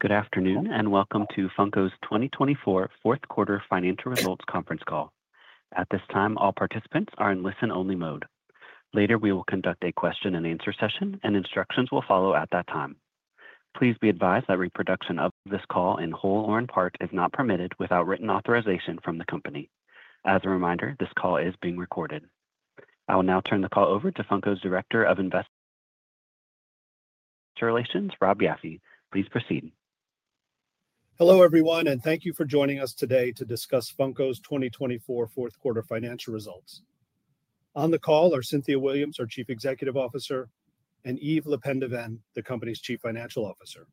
Good afternoon and welcome to Funko's 2024 Fourth Quarter Financial Results Conference Call. At this time, all participants are in listen-only mode. Later, we will conduct a question-and-answer session, and instructions will follow at that time. Please be advised that reproduction of this call in whole or in part is not permitted without written authorization from the company. As a reminder, this call is being recorded. I will now turn the call over to Funko's Director of Investor Relations, Rob Jaffe. Please proceed. Hello everyone, and thank you for joining us today to discuss Funko's 2024 Fourth Quarter Financial Results. On the call are Cynthia Williams, our Chief Executive Officer, and Yves LePendeven, the company's Chief Financial Officer.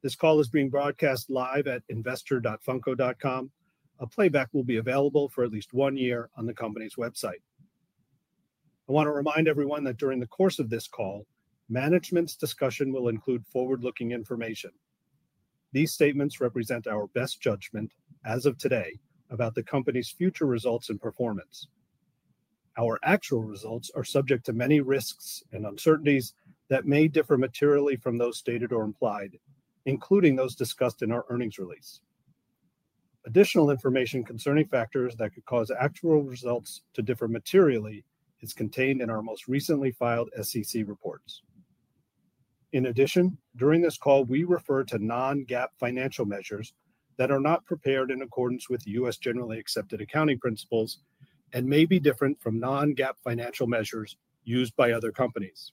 This call is being broadcast live at investor.funko.com. A playback will be available for at least one year on the company's website. I want to remind everyone that during the course of this call, management's discussion will include forward-looking information. These statements represent our best judgment as of today about the company's future results and performance. Our actual results are subject to many risks and uncertainties that may differ materially from those stated or implied, including those discussed in our earnings release. Additional information concerning factors that could cause actual results to differ materially is contained in our most recently filed SEC reports. In addition, during this call, we refer to non-GAAP financial measures that are not prepared in accordance with U.S. generally accepted accounting principles and may be different from non-GAAP financial measures used by other companies.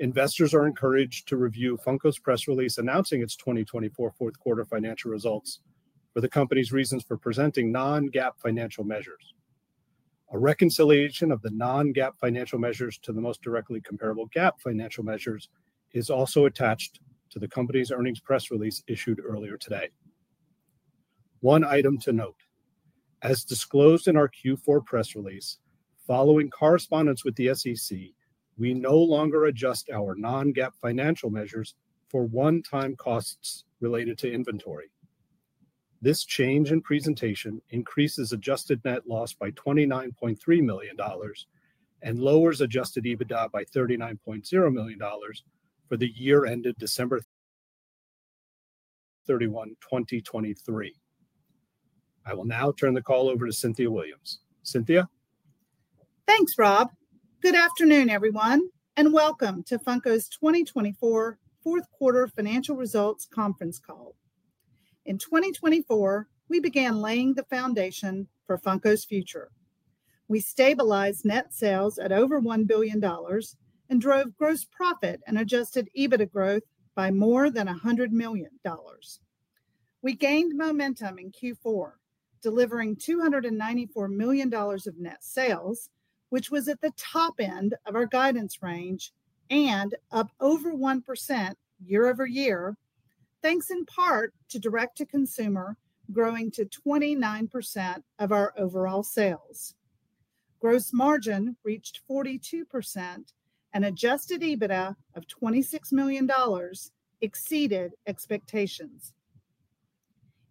Investors are encouraged to review Funko's press release announcing its 2024 Fourth Quarter Financial Results for the company's reasons for presenting non-GAAP financial measures. A reconciliation of the non-GAAP financial measures to the most directly comparable GAAP financial measures is also attached to the company's earnings press release issued earlier today. One item to note: as disclosed in our Q4 press release, following correspondence with the SEC, we no longer adjust our non-GAAP financial measures for one-time costs related to inventory. This change in presentation increases adjusted net loss by $29.3 million and lowers adjusted EBITDA by $39.0 million for the year ended December 31, 2023. I will now turn the call over to Cynthia Williams. Cynthia. Thanks, Rob. Good afternoon, everyone, and welcome to Funko's 2024 Fourth Quarter Financial Results Conference Call. In 2024, we began laying the foundation for Funko's future. We stabilized net sales at over $1 billion and drove gross profit and adjusted EBITDA growth by more than $100 million. We gained momentum in Q4, delivering $294 million of net sales, which was at the top end of our guidance range and up over 1% year-over-year, thanks in part to direct-to-consumer growing to 29% of our overall sales. Gross margin reached 42%, and adjusted EBITDA of $26 million exceeded expectations.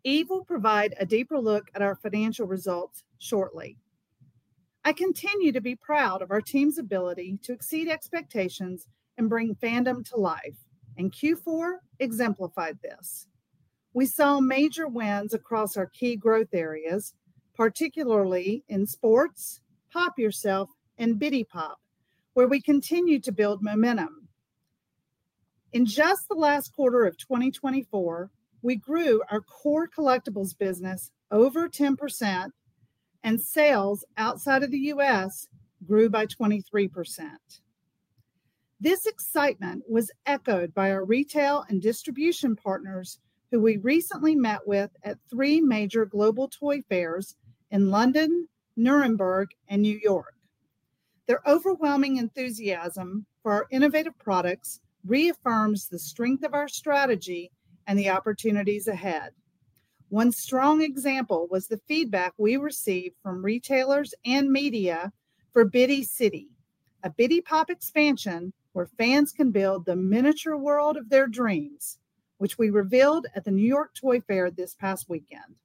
Yves will provide a deeper look at our financial results shortly. I continue to be proud of our team's ability to exceed expectations and bring fandom to life, and Q4 exemplified this. We saw major wins across our key growth areas, particularly in sports, Pop! Yourself, and Bitty Pop!, where we continue to build momentum. In just the last quarter of 2024, we grew our core collectibles business over 10%, and sales outside of the U.S. grew by 23%. This excitement was echoed by our retail and distribution partners, who we recently met with at three major global toy fairs in London, Nuremberg, and New York. Their overwhelming enthusiasm for our innovative products reaffirms the strength of our strategy and the opportunities ahead. One strong example was the feedback we received from retailers and media for Bitty City, a Bitty Pop! expansion where fans can build the miniature world of their dreams, which we revealed at the New York Toy Fair this past weekend.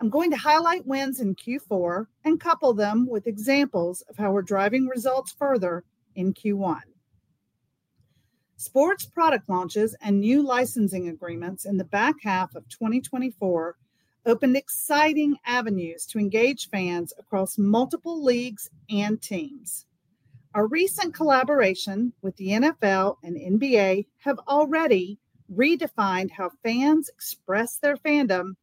I'm going to highlight wins in Q4 and couple them with examples of how we're driving results further in Q1. Sports product launches and new licensing agreements in the back half of 2024 opened exciting avenues to engage fans across multiple leagues and teams. Our recent collaboration with the NFL and NBA have already redefined how fans express their fandom,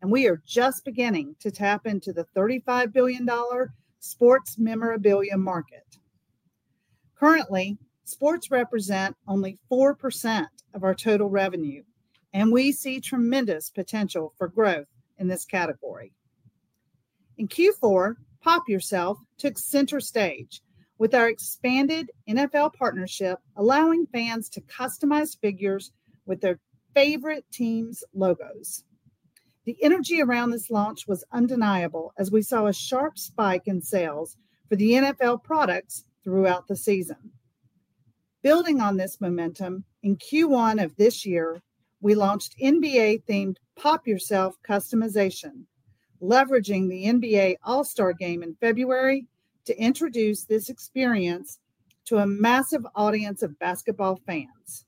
and we are just beginning to tap into the $35 billion sports memorabilia market. Currently, sports represent only 4% of our total revenue, and we see tremendous potential for growth in this category. In Pop! Yourself took center stage with our expanded NFL partnership, allowing fans to customize figures with their favorite team's logos. The energy around this launch was undeniable, as we saw a sharp spike in sales for the NFL products throughout the season. Building on this momentum, in Q1 of this year, we launched Pop! Yourself customization, leveraging the NBA All-Star Game in February to introduce this experience to a massive audience of basketball fans.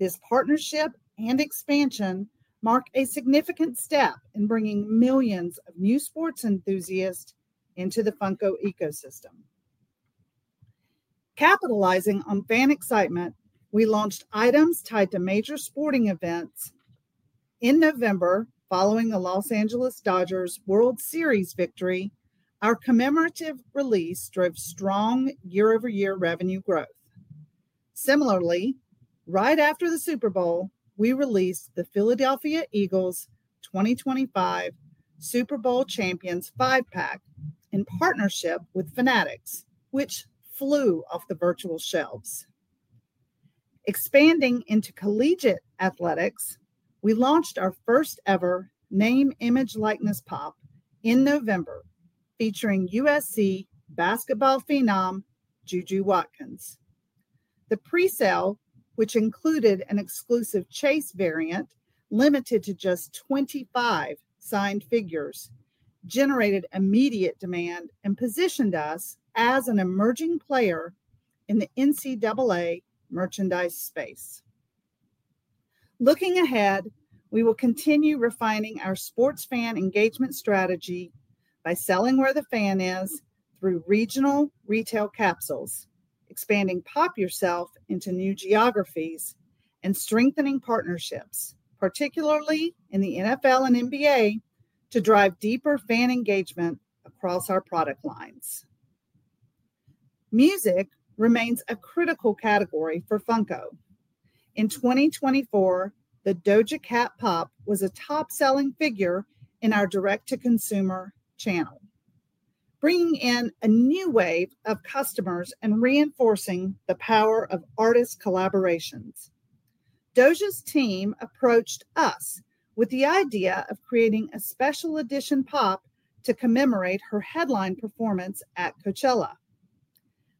This partnership and expansion mark a significant step in bringing millions of new sports enthusiasts into the Funko ecosystem. Capitalizing on fan excitement, we launched items tied to major sporting events. In November, following the Los Angeles Dodgers' World Series victory, our commemorative release drove strong year-over-year revenue growth. Similarly, right after the Super Bowl, we released the Philadelphia Eagles' 2025 Super Bowl Champions Five Pack in partnership with Fanatics, which flew off the virtual shelves. Expanding into collegiate athletics, we launched our first-ever name-image likeness Pop! in November, featuring USC basketball phenom Juju Watkins. The presale, which included an exclusive chase variant limited to just 25 signed figures, generated immediate demand and positioned us as an emerging player in the NCAA merchandise space. Looking ahead, we will continue refining our sports fan engagement strategy by selling where the fan is through regional retail capsules, Pop! Yourself into new geographies, and strengthening partnerships, particularly in the NFL and NBA, to drive deeper fan engagement across our product lines. Music remains a critical category for Funko. In 2024, the Doja Cat Pop! was a top-selling figure in our direct-to-consumer channel, bringing in a new wave of customers and reinforcing the power of artist collaborations. Doja's team approached us with the idea of creating a special edition Pop! to commemorate her headline performance at Coachella.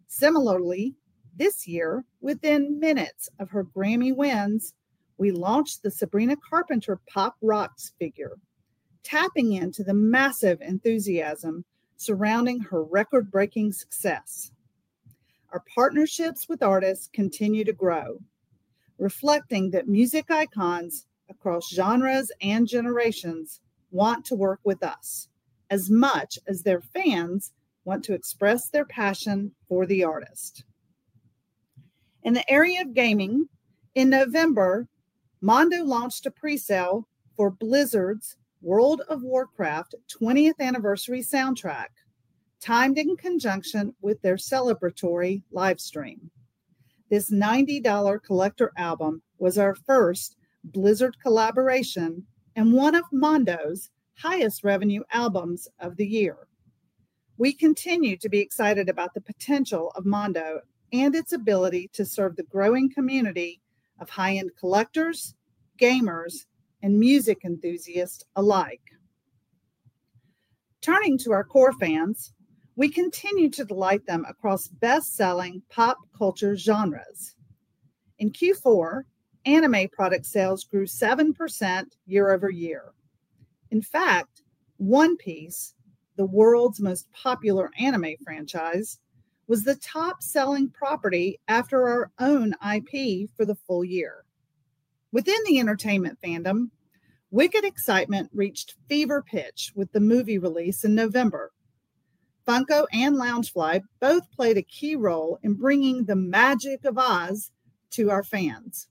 Similarly, this year, within minutes of her Grammy wins, we launched the Sabrina Carpenter Pop! Rocks figure, tapping into the massive enthusiasm surrounding her record-breaking success. Our partnerships with artists continue to grow, reflecting that music icons across genres and generations want to work with us as much as their fans want to express their passion for the artist. In the area of gaming, in November, Mondo launched a presale for Blizzard's World of Warcraft 20th Anniversary soundtrack, timed in conjunction with their celebratory live stream. This $90 collector album was our first Blizzard collaboration and one of Mondo's highest revenue albums of the year. We continue to be excited about the potential of Mondo and its ability to serve the growing community of high-end collectors, gamers, and music enthusiasts alike. Turning to our core fans, we continue to delight them across best-selling pop culture genres. In Q4, anime product sales grew 7% year-over-year. In fact, One Piece, the world's most popular anime franchise, was the top-selling property after our own IP for the full year. Within the entertainment fandom, Wicked excitement reached fever pitch with the movie release in November. Funko and Loungefly both played a key role in bringing the magic of Oz to our fans.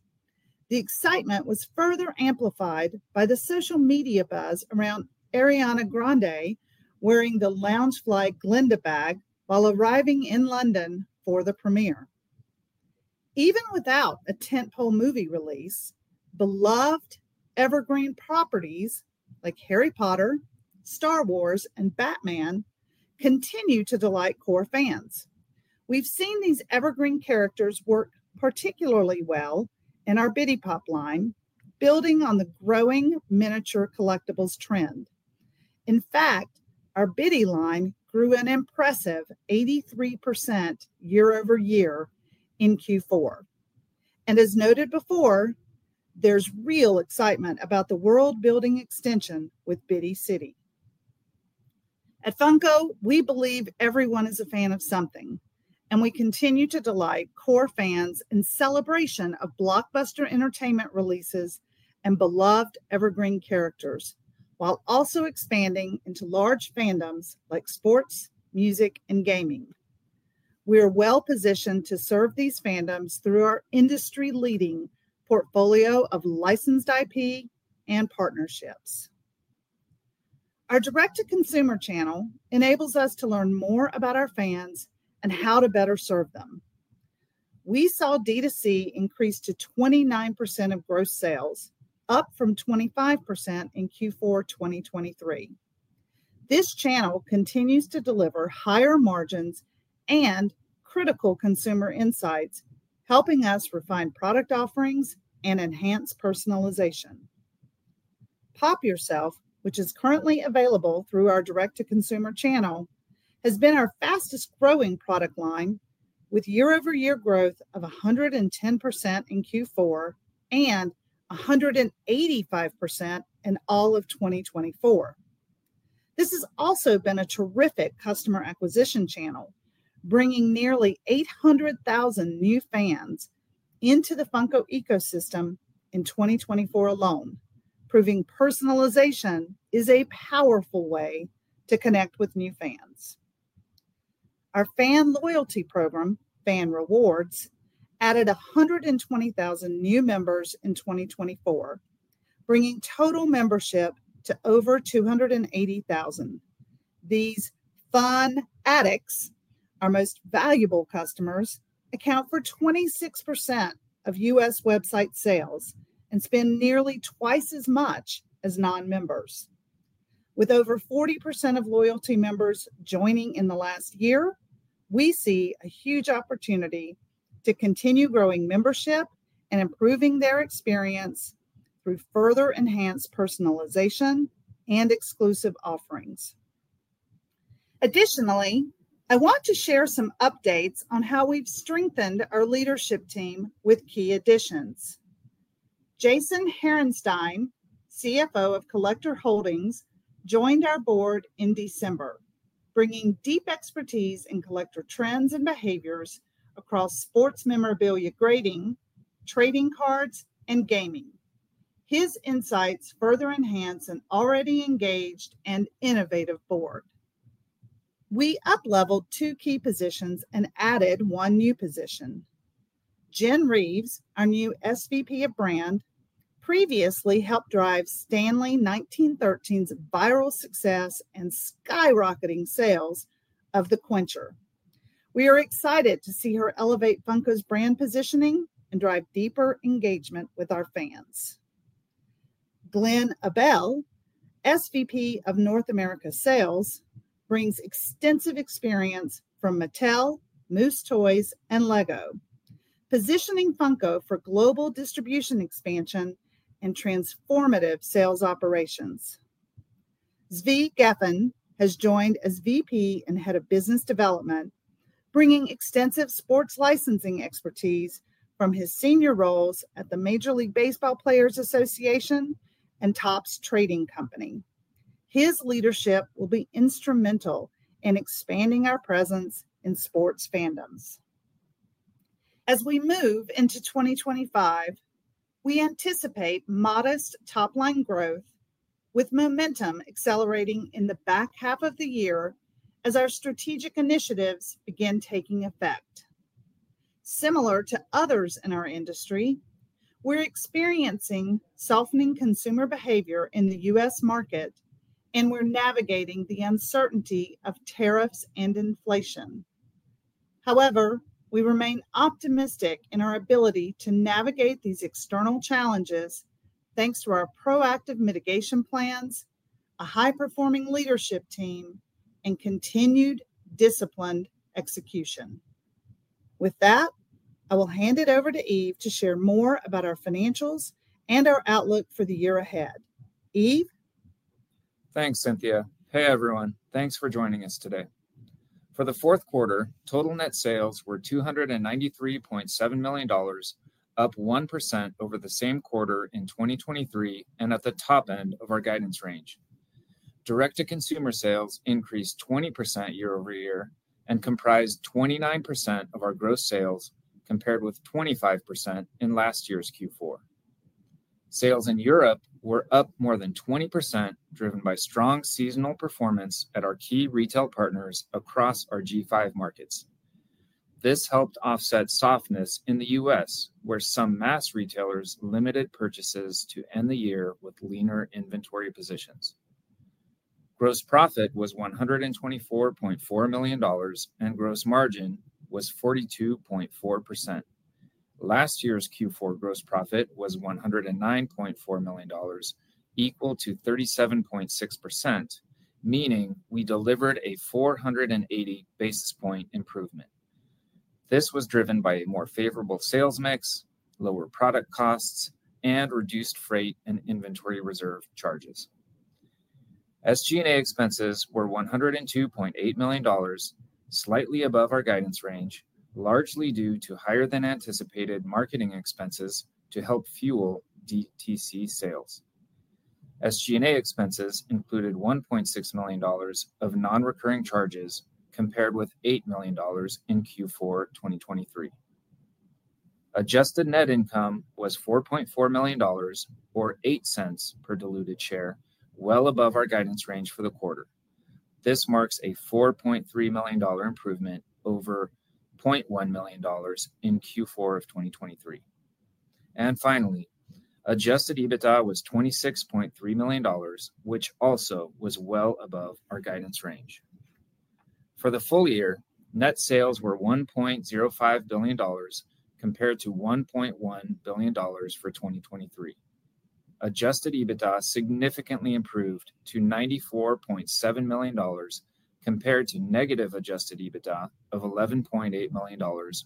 The excitement was further amplified by the social media buzz around Ariana Grande wearing the Loungefly Glinda bag while arriving in London for the premiere. Even without a tentpole movie release, beloved evergreen properties like Harry Potter, Star Wars, and Batman continue to delight core fans. We've seen these evergreen characters work particularly well in our Bitty Pop! line, building on the growing miniature collectibles trend. In fact, our Bitty Pop! line grew an impressive 83% year-over-year in Q4. As noted before, there is real excitement about the world-building extension with Bitty City. At Funko, we believe everyone is a fan of something, and we continue to delight core fans in celebration of blockbuster entertainment releases and beloved evergreen characters, while also expanding into large fandoms like sports, music, and gaming. We are well positioned to serve these fandoms through our industry-leading portfolio of licensed IP and partnerships. Our direct-to-consumer channel enables us to learn more about our fans and how to better serve them. We saw DTC increase to 29% of gross sales, up from 25% in Q4 2023. This channel continues to deliver higher margins and critical consumer insights, helping us refine product offerings and enhance personalization. Pop! Yourself, which is currently available through our direct-to-consumer channel, has been our fastest-growing product line, with year-over-year growth of 110% in Q4 and 185% in all of 2024. This has also been a terrific customer acquisition channel, bringing nearly 800,000 new fans into the Funko ecosystem in 2024 alone, proving personalization is a powerful way to connect with new fans. Our fan loyalty program, Fan Rewards, added 120,000 new members in 2024, bringing total membership to over 280,000. These fun addicts, our most valuable customers, account for 26% of U.S. website sales and spend nearly twice as much as non-members. With over 40% of loyalty members joining in the last year, we see a huge opportunity to continue growing membership and improving their experience through further enhanced personalization and exclusive offerings. Additionally, I want to share some updates on how we've strengthened our leadership team with key additions. Jason Harinstein, CFO of Collector Holdings, joined our board in December, bringing deep expertise in collector trends and behaviors across sports memorabilia grading, trading cards, and gaming. His insights further enhance an already engaged and innovative board. We upleveled two key positions and added one new position. Jenn Reeves, our new SVP of Brand, previously helped drive Stanley 1913's viral success and skyrocketing sales of the Quencher. We are excited to see her elevate Funko's brand positioning and drive deeper engagement with our fans. Glenn Abell, SVP of North America Sales, brings extensive experience from Mattel, Moose Toys, and Lego, positioning Funko for global distribution expansion and transformative sales operations. Zvee Geffen has joined as VP and head of business development, bringing extensive sports licensing expertise from his senior roles at the Major League Baseball Players Association and Topps Trading Company. His leadership will be instrumental in expanding our presence in sports fandoms. As we move into 2025, we anticipate modest top-line growth, with momentum accelerating in the back half of the year as our strategic initiatives begin taking effect. Similar to others in our industry, we're experiencing softening consumer behavior in the U.S. market, and we're navigating the uncertainty of tariffs and inflation. However, we remain optimistic in our ability to navigate these external challenges, thanks to our proactive mitigation plans, a high-performing leadership team, and continued disciplined execution. With that, I will hand it over to Yves to share more about our financials and our outlook for the year ahead. Yves? Thanks, Cynthia. Hey, everyone. Thanks for joining us today. For the fourth quarter, total net sales were $293.7 million, up 1% over the same quarter in 2023 and at the top end of our guidance range. Direct-to-consumer sales increased 20% year-over-year and comprised 29% of our gross sales, compared with 25% in last year's Q4. Sales in Europe were up more than 20%, driven by strong seasonal performance at our key retail partners across our G5 markets. This helped offset softness in the U.S., where some mass retailers limited purchases to end the year with leaner inventory positions. Gross profit was $124.4 million, and gross margin was 42.4%. Last year's Q4 gross profit was $109.4 million, equal to 37.6%, meaning we delivered a 480 basis point improvement. This was driven by a more favorable sales mix, lower product costs, and reduced freight and inventory reserve charges. SG&A expenses were $102.8 million, slightly above our guidance range, largely due to higher-than-anticipated marketing expenses to help fuel DTC sales. SG&A expenses included $1.6 million of non-recurring charges, compared with $8 million in Q4 2023. Adjusted net income was $4.4 million, or $0.08 per diluted share, well above our guidance range for the quarter. This marks a $4.3 million improvement over $0.1 million in Q4 of 2023. Finally, adjusted EBITDA was $26.3 million, which also was well above our guidance range. For the full year, net sales were $1.05 billion, compared to $1.1 billion for 2023. Adjusted EBITDA significantly improved to $94.7 million, compared to negative adjusted EBITDA of $11.8 million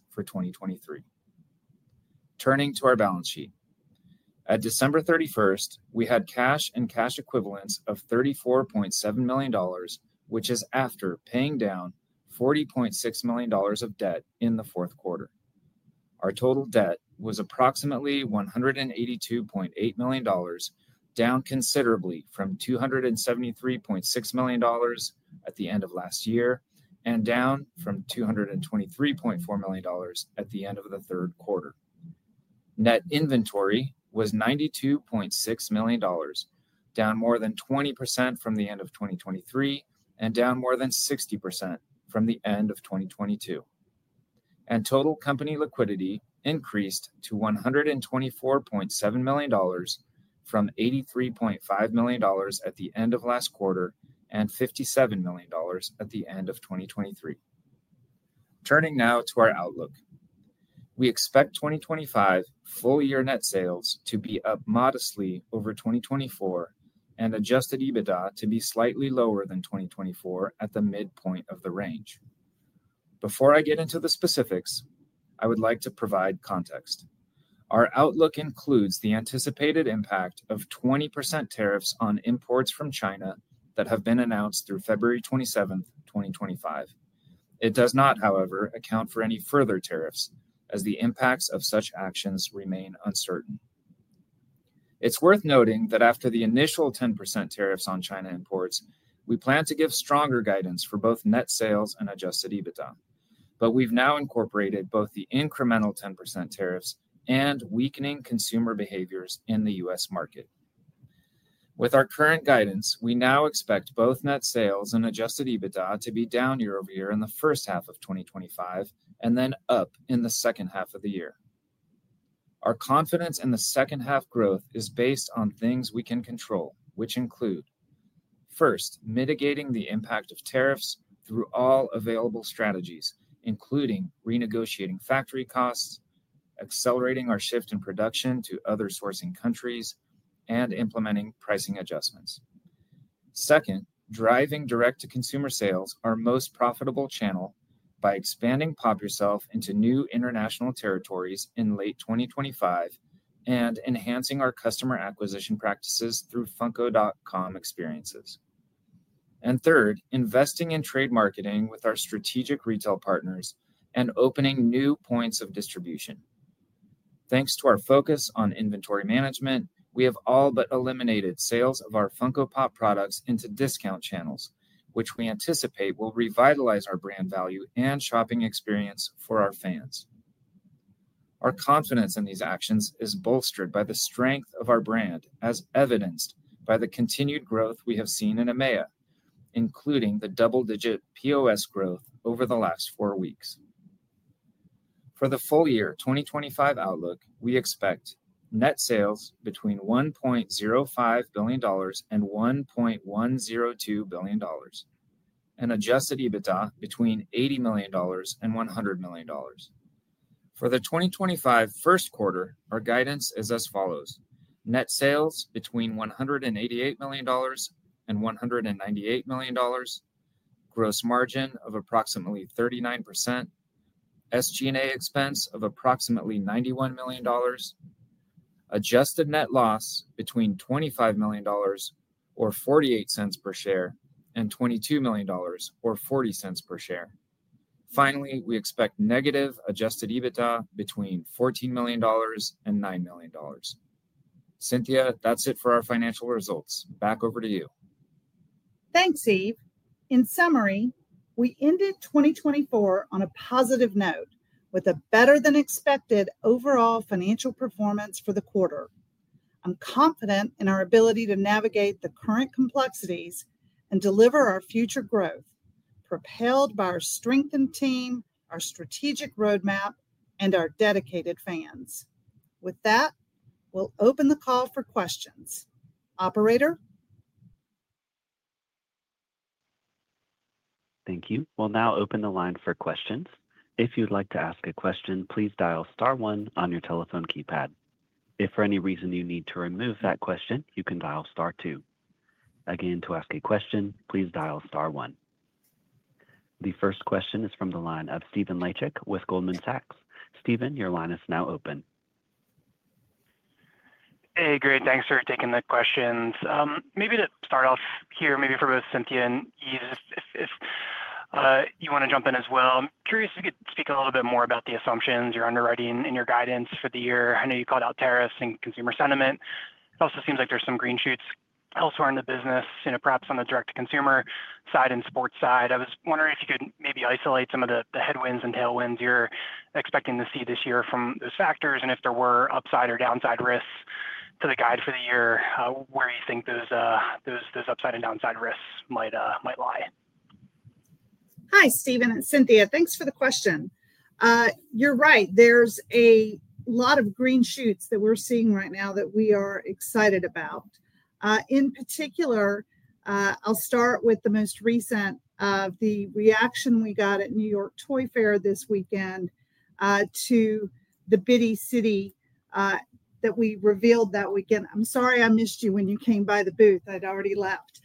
for 2023. Turning to our balance sheet, at December 31st, we had cash and cash equivalents of $34.7 million, which is after paying down $40.6 million of debt in the fourth quarter. Our total debt was approximately $182.8 million, down considerably from $273.6 million at the end of last year and down from $223.4 million at the end of the third quarter. Net inventory was $92.6 million, down more than 20% from the end of 2023 and down more than 60% from the end of 2022. Total company liquidity increased to $124.7 million from $83.5 million at the end of last quarter and $57 million at the end of 2023. Turning now to our outlook, we expect 2025 full-year net sales to be up modestly over 2024 and adjusted EBITDA to be slightly lower than 2024 at the midpoint of the range. Before I get into the specifics, I would like to provide context. Our outlook includes the anticipated impact of 20% tariffs on imports from China that have been announced through February 27, 2025. It does not, however, account for any further tariffs, as the impacts of such actions remain uncertain. It's worth noting that after the initial 10% tariffs on China imports, we plan to give stronger guidance for both net sales and adjusted EBITDA, but we've now incorporated both the incremental 10% tariffs and weakening consumer behaviors in the U.S. market. With our current guidance, we now expect both net sales and adjusted EBITDA to be down year-over-year in the first half of 2025 and then up in the second half of the year. Our confidence in the second-half growth is based on things we can control, which include: first, mitigating the impact of tariffs through all available strategies, including renegotiating factory costs, accelerating our shift in production to other sourcing countries, and implementing pricing adjustments. Second, driving direct-to-consumer sales, our most profitable channel, by Pop! Yourself into new international territories in late 2025 and enhancing our customer acquisition practices through Funko.com experiences. Third, investing in trade marketing with our strategic retail partners and opening new points of distribution. Thanks to our focus on inventory management, we have all but eliminated sales of our Funko Pop! products into discount channels, which we anticipate will revitalize our brand value and shopping experience for our fans. Our confidence in these actions is bolstered by the strength of our brand, as evidenced by the continued growth we have seen in EMEA, including the double-digit POS growth over the last four weeks. For the full-year 2025 outlook, we expect net sales between $1.05 billion and $1.102 billion, and adjusted EBITDA between $80 million and $100 million. For the 2025 first quarter, our guidance is as follows: net sales between $188 million and $198 million, gross margin of approximately 39%, SG&A expense of approximately $91 million, adjusted net loss between $25 million, or $0.48 per share, and $22 million, or $0.40 per share. Finally, we expect negative adjusted EBITDA between $14 million and $9 million. Cynthia, that's it for our financial results. Back over to you. Thanks, Yves. In summary, we ended 2024 on a positive note, with a better-than-expected overall financial performance for the quarter. I'm confident in our ability to navigate the current complexities and deliver our future growth, propelled by our strengthened team, our strategic roadmap, and our dedicated fans. With that, we'll open the call for questions. Operator? Thank you. We'll now open the line for questions. If you'd like to ask a question, please dial star one on your telephone keypad. If for any reason you need to remove that question, you can dial star two. Again, to ask a question, please dial star one. The first question is from the line of Stephen Laszczyk with Goldman Sachs. Stephen, your line is now open. Hey, great. Thanks for taking the questions. Maybe to start off here, maybe for both Cynthia and Yves, if you want to jump in as well. I'm curious if you could speak a little bit more about the assumptions, your underwriting, and your guidance for the year. I know you called out tariffs and consumer sentiment. It also seems like there's some green shoots elsewhere in the business, perhaps on the direct-to-consumer side and sports side. I was wondering if you could maybe isolate some of the headwinds and tailwinds you're expecting to see this year from those factors, and if there were upside or downside risks to the guide for the year, where you think those upside and downside risks might lie. Hi, Stephen, it's Cynthia. Thanks for the question. You're right. There's a lot of green shoots that we're seeing right now that we are excited about. In particular, I'll start with the most recent of the reaction we got at New York Toy Fair this weekend to the Bitty City that we revealed that weekend. I'm sorry I missed you when you came by the booth. I'd already left.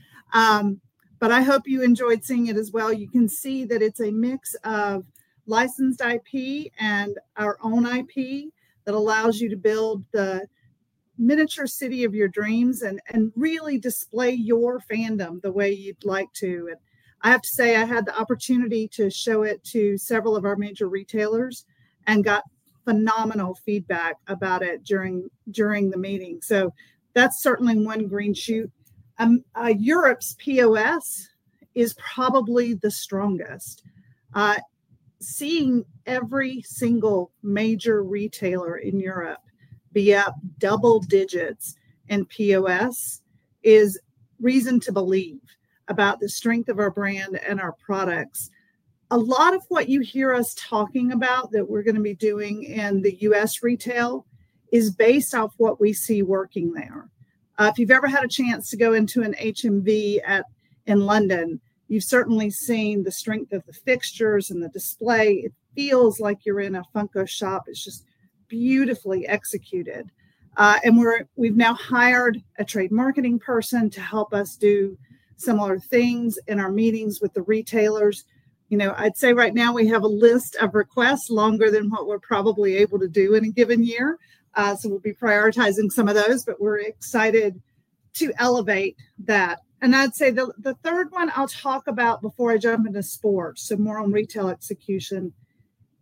I hope you enjoyed seeing it as well. You can see that it's a mix of licensed IP and our own IP that allows you to build the miniature city of your dreams and really display your fandom the way you'd like to. I have to say I had the opportunity to show it to several of our major retailers and got phenomenal feedback about it during the meeting. That is certainly one green shoot. Europe's POS is probably the strongest. Seeing every single major retailer in Europe be up double digits in POS is reason to believe about the strength of our brand and our products. A lot of what you hear us talking about that we're going to be doing in the U.S. retail is based off what we see working there. If you've ever had a chance to go into an HMV in London, you've certainly seen the strength of the fixtures and the display. It feels like you're in a Funko shop. It's just beautifully executed. We've now hired a trade marketing person to help us do similar things in our meetings with the retailers. I'd say right now we have a list of requests longer than what we're probably able to do in a given year. We'll be prioritizing some of those, but we're excited to elevate that. I'd say the third one I'll talk about before I jump into sports, more on retail execution,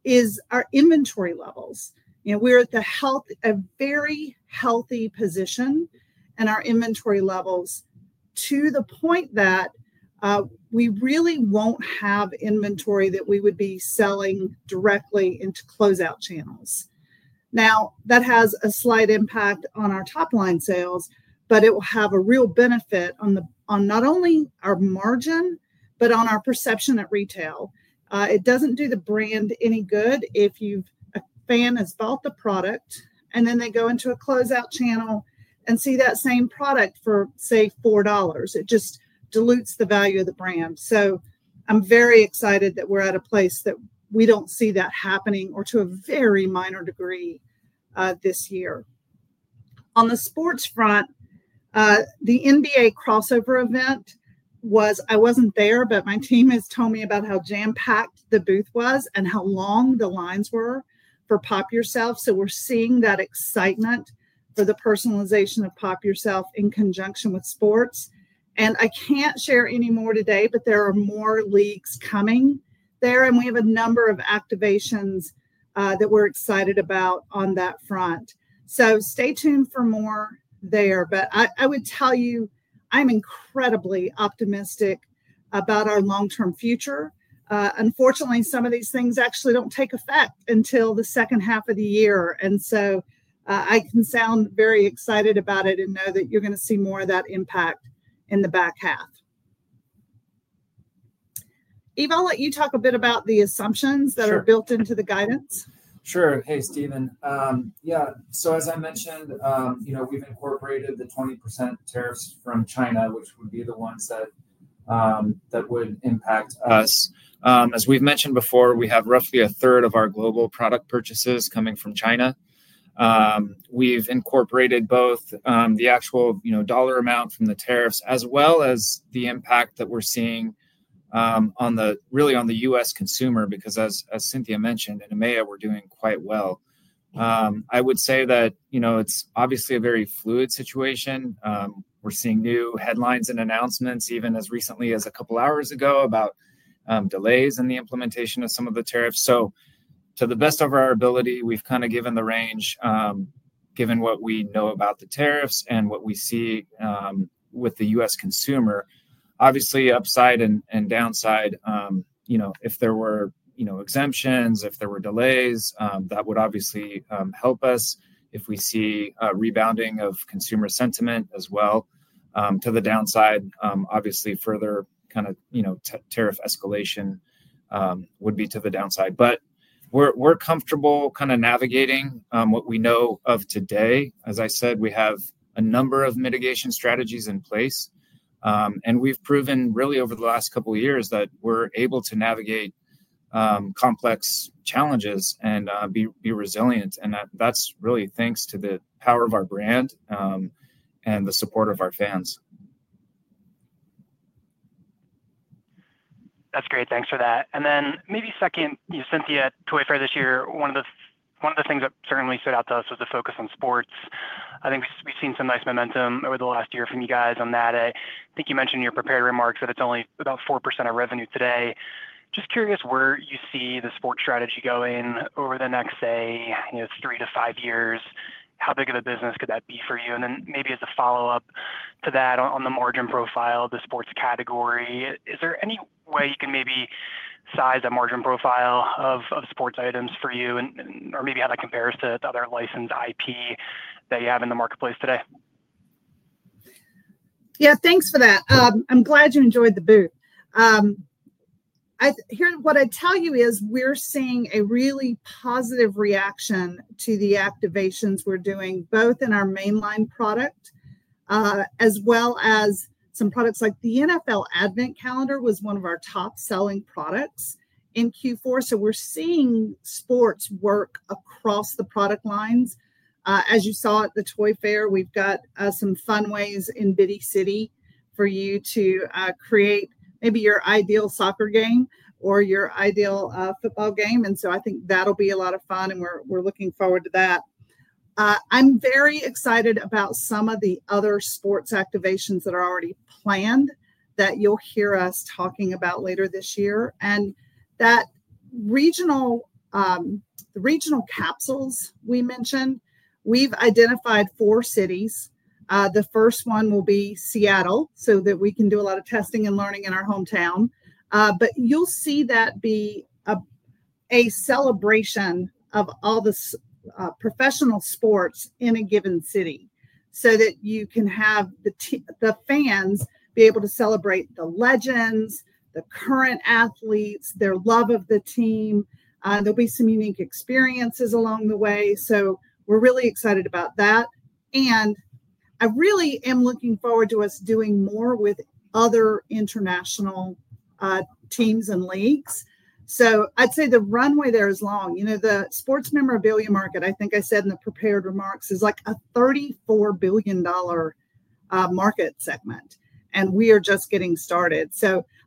is our inventory levels. We're at a very healthy position in our inventory levels to the point that we really won't have inventory that we would be selling directly into closeout channels. That has a slight impact on our top-line sales, but it will have a real benefit on not only our margin, but on our perception at retail. It doesn't do the brand any good if a fan has bought the product and then they go into a closeout channel and see that same product for, say, $4. It just dilutes the value of the brand. I am very excited that we're at a place that we don't see that happening, or to a very minor degree, this year. On the sports front, the NBA crossover event was—I wasn't there, but my team has told me about how jam-packed the booth was and how long the lines were Pop! Yourself. we are seeing that excitement for the personalization Pop! Yourself in conjunction with sports. I can't share any more today, but there are more leaks coming there, and we have a number of activations that we're excited about on that front. Stay tuned for more there. But I would tell you, I'm incredibly optimistic about our long-term future. Unfortunately, some of these things actually do not take effect until the second half of the year. I can sound very excited about it and know that you're going to see more of that impact in the back half. Yves, I'll let you talk a bit about the assumptions that are built into the guidance. Sure. Hey, Stephen. Yeah. As I mentioned, we've incorporated the 20% tariffs from China, which would be the ones that would impact us. As we've mentioned before, we have roughly a third of our global product purchases coming from China. We've incorporated both the actual dollar amount from the tariffs as well as the impact that we're seeing really on the U.S. consumer, because as Cynthia mentioned, in EMEA, we're doing quite well. I would say that it's obviously a very fluid situation. We're seeing new headlines and announcements, even as recently as a couple of hours ago, about delays in the implementation of some of the tariffs. To the best of our ability, we've kind of given the range, given what we know about the tariffs and what we see with the U.S. consumer. Obviously, upside and downside, if there were exemptions, if there were delays, that would obviously help us if we see a rebounding of consumer sentiment as well. To the downside, obviously, further kind of tariff escalation would be to the downside. We're comfortable kind of navigating what we know of today. As I said, we have a number of mitigation strategies in place. We've proven, really, over the last couple of years that we're able to navigate complex challenges and be resilient. That is really thanks to the power of our brand and the support of our fans. That is great. Thanks for that. Maybe second, Cynthia, Toy Fair this year, one of the things that certainly stood out to us was the focus on sports. I think we have seen some nice momentum over the last year from you guys on that. I think you mentioned in your prepared remarks that it is only about 4% of revenue today. Just curious where you see the sports strategy going over the next, say, three to five years. How big of a business could that be for you? Maybe as a follow-up to that, on the margin profile, the sports category, is there any way you can maybe size a margin profile of sports items for you, or maybe how that compares to other licensed IP that you have in the marketplace today? Yeah, thanks for that. I'm glad you enjoyed the booth. What I'd tell you is we're seeing a really positive reaction to the activations we're doing, both in our mainline product as well as some products like the NFL Advent Calendar was one of our top-selling products in Q4. We're seeing sports work across the product lines. As you saw at the Toy Fair, we've got some fun ways in Bitty City for you to create maybe your ideal soccer game or your ideal football game. I think that'll be a lot of fun, and we're looking forward to that. I'm very excited about some of the other sports activations that are already planned that you'll hear us talking about later this year. The regional capsules we mentioned, we've identified four cities. The first one will be Seattle so that we can do a lot of testing and learning in our hometown. You'll see that be a celebration of all the professional sports in a given city so that you can have the fans be able to celebrate the legends, the current athletes, their love of the team. There'll be some unique experiences along the way. We're really excited about that. I really am looking forward to us doing more with other international teams and leagues. I'd say the runway there is long. The sports memorabilia market, I think I said in the prepared remarks, is like a $34 billion market segment. We are just getting started.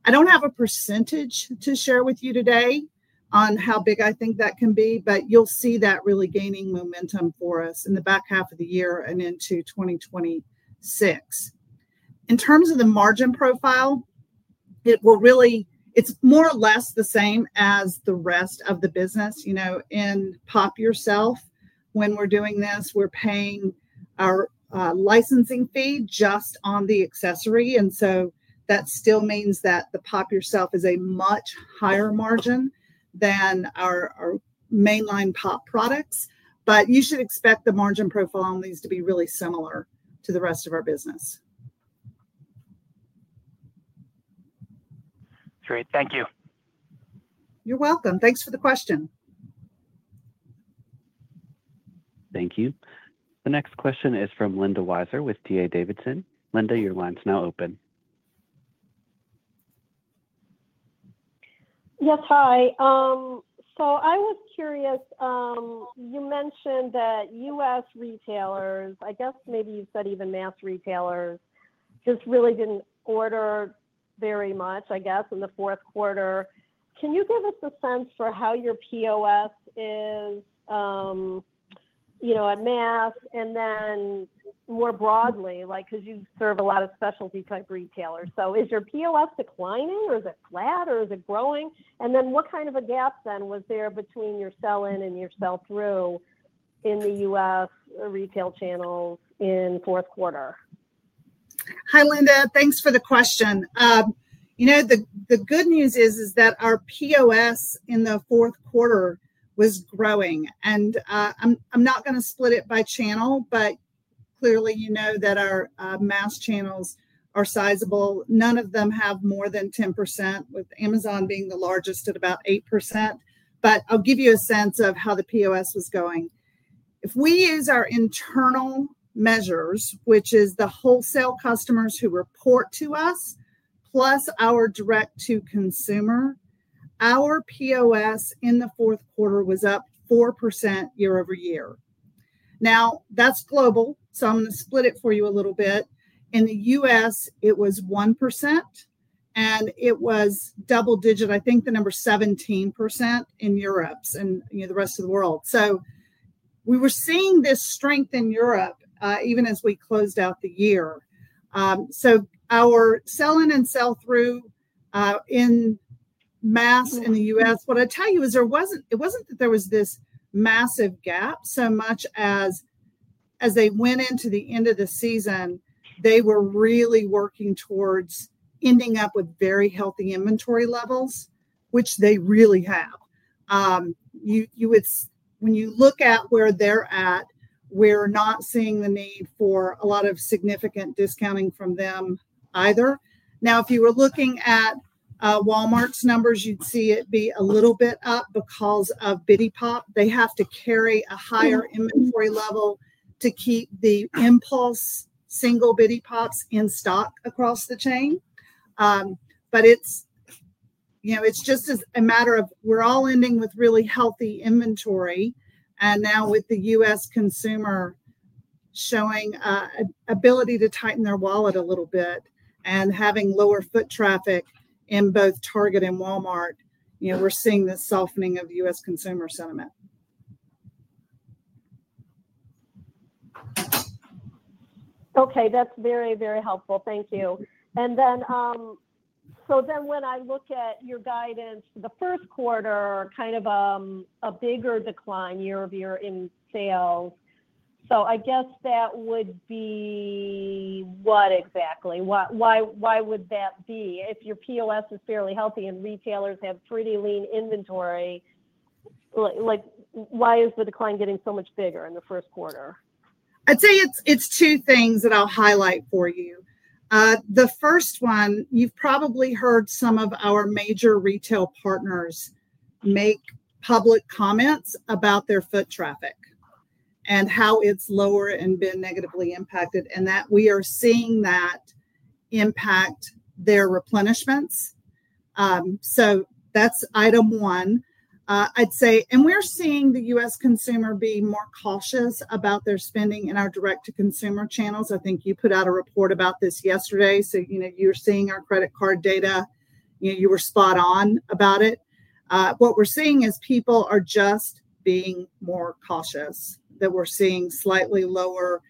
I do not have a percentage to share with you today on how big I think that can be, but you will see that really gaining momentum for us in the back half of the year and into 2026. In terms of the margin profile, it is more or less the same as the rest of the business. Pop! Yourself, when we are doing this, we are paying our licensing fee just on the accessory. That still means that Pop! Yourself is a much higher margin than our mainline pop products. You should expect the margin profile on these to be really similar to the rest of our business. Great. Thank you. You are welcome. Thanks for the question. Thank you. The next question is from Linda Weiser with DA Davidson. Linda, your line is now open. Yes, hi. I was curious. You mentioned that U.S. retailers, I guess maybe you said even mass retailers, just really didn't order very much, I guess, in the fourth quarter. Can you give us a sense for how your POS is at mass and then more broadly? Because you serve a lot of specialty-type retailers. So is your POS declining, or is it flat, or is it growing? And then what kind of a gap then was there between your sell-in and your sell-through in the U.S. retail channels in fourth quarter? Hi, Linda. Thanks for the question. The good news is that our POS in the fourth quarter was growing. And I'm not going to split it by channel, but clearly you know that our mass channels are sizable. None of them have more than 10%, with Amazon being the largest at about 8%. I'll give you a sense of how the POS was going. If we use our internal measures, which is the wholesale customers who report to us, plus our direct-to-consumer, our POS in the fourth quarter was up 4% year-over-year. That is global. I'm going to split it for you a little bit. In the U.S., it was 1%, and it was double-digit, I think the number 17% in Europe and the rest of the world. We were seeing this strength in Europe even as we closed out the year. Our sell-in and sell-through in mass in the U.S., what I'll tell you is it was not that there was this massive gap, so much as as they went into the end of the season, they were really working towards ending up with very healthy inventory levels, which they really have. When you look at where they're at, we're not seeing the need for a lot of significant discounting from them either. Now, if you were looking at Walmart's numbers, you'd see it be a little bit up because of Bitty Pop!. They have to carry a higher inventory level to keep the impulse single Bitty Pops in stock across the chain. But it's just a matter of we're all ending with really healthy inventory. And now with the U.S. consumer showing ability to tighten their wallet a little bit and having lower foot traffic in both Target and Walmart, we're seeing the softening of U.S. consumer sentiment. Okay. That's very, very helpful. Thank you. And so then when I look at your guidance, the first quarter kind of a bigger decline year-over-year in sales. So I guess that would be what exactly? Why would that be? If your POS is fairly healthy and retailers have pretty lean inventory, why is the decline getting so much bigger in the first quarter? I'd say it's two things that I'll highlight for you. The first one, you've probably heard some of our major retail partners make public comments about their foot traffic and how it's lower and been negatively impacted, and that we are seeing that impact their replenishments. That's item one. I'd say, and we're seeing the U.S. consumer be more cautious about their spending in our direct-to-consumer channels. I think you put out a report about this yesterday. You were seeing our credit card data. You were spot on about it. What we're seeing is people are just being more cautious, that we're seeing slightly lower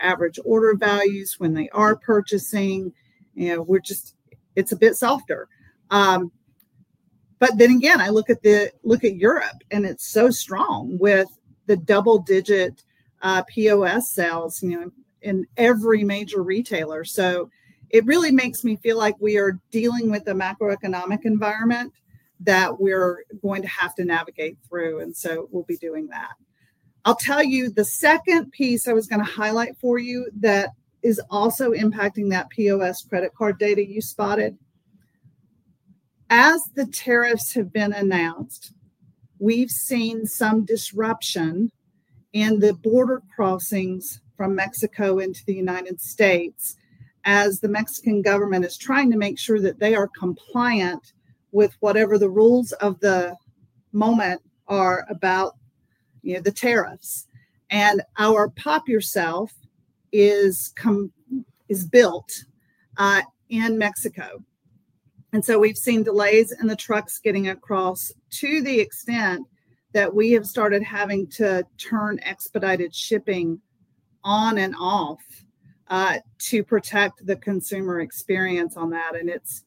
average order values when they are purchasing. It's a bit softer. I look at Europe, and it's so strong with the double-digit POS sales in every major retailer. It really makes me feel like we are dealing with a macroeconomic environment that we're going to have to navigate through. We'll be doing that. I'll tell you the second piece I was going to highlight for you that is also impacting that POS credit card data you spotted. As the tariffs have been announced, we've seen some disruption in the border crossings from Mexico into the United States as the Mexican government is trying to make sure that they are compliant with whatever the rules of the moment are about the tariffs. Pop! Yourself is built in Mexico. We've seen delays in the trucks getting across to the extent that we have started having to turn expedited shipping on and off to protect the consumer experience on that. It's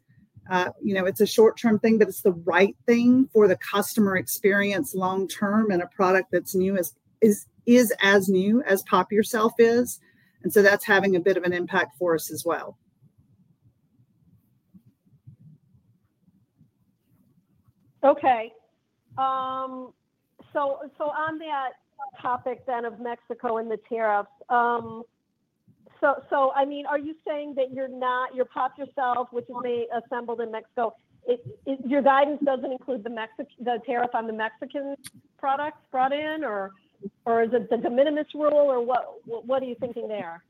a short-term thing, but it's the right thing for the customer experience long-term in a product that's as new Pop! Yourself is. That's having a bit of an impact for us as well. On that topic of Mexico and the tariffs, are you saying that Pop! Yourself, which is assembled in Mexico, your guidance doesn't include the tariff on the Mexican products brought in, or is it the de minimis rule, or what are you thinking there?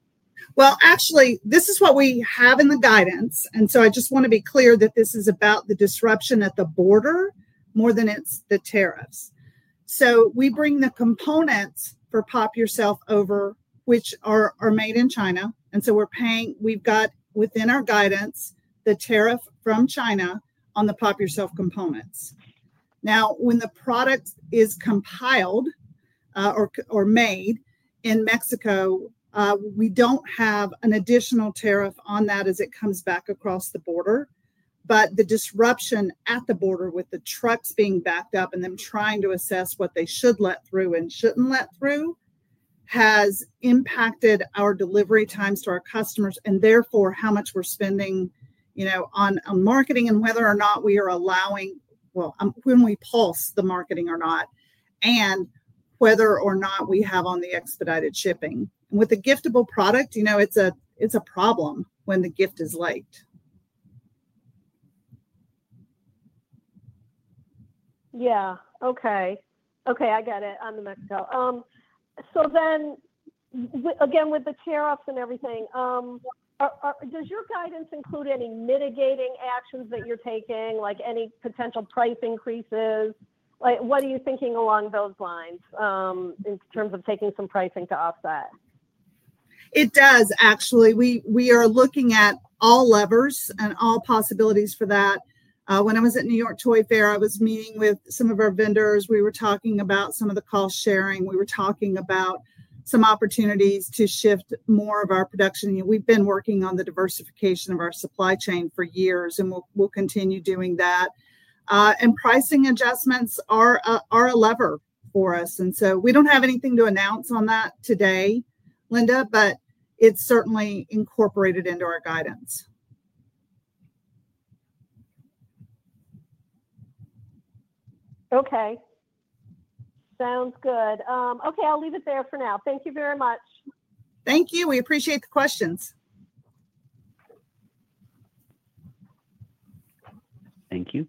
Actually, this is what we have in the guidance. I just want to be clear that this is about the disruption at the border more than it's the tariffs. We bring the components Pop! Yourself over, which are made in China. We've got within our guidance the tariff from China on Pop! Yourself components. Now, when the product is compiled or made in Mexico, we don't have an additional tariff on that as it comes back across the border. The disruption at the border with the trucks being backed up and them trying to assess what they should let through and shouldn't let through has impacted our delivery times to our customers and therefore how much we're spending on marketing and whether or not we are allowing, well, when we pulse the marketing or not, and whether or not we have on the expedited shipping. With a giftable product, it's a problem when the gift is late. Yeah. Okay. Okay. I get it. I'm in Mexico. Again, with the tariffs and everything, does your guidance include any mitigating actions that you're taking, like any potential price increases? What are you thinking along those lines in terms of taking some pricing to offset? It does, actually. We are looking at all levers and all possibilities for that. When I was at New York Toy Fair, I was meeting with some of our vendors. We were talking about some of the cost sharing. We were talking about some opportunities to shift more of our production. We've been working on the diversification of our supply chain for years, and we'll continue doing that. Pricing adjustments are a lever for us. We do not have anything to announce on that today, Linda, but it is certainly incorporated into our guidance. Okay. Sounds good. Okay. I'll leave it there for now. Thank you very much. Thank you. We appreciate the questions. Thank you.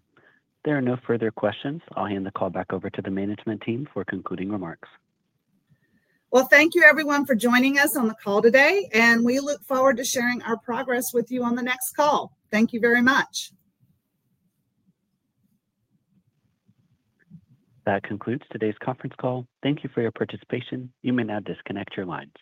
There are no further questions. I'll hand the call back over to the management team for concluding remarks. Thank you, everyone, for joining us on the call today. We look forward to sharing our progress with you on the next call. Thank you very much. That concludes today's conference call. Thank you for your participation. You may now disconnect your line.